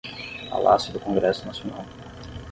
Palácio do Congresso Nacional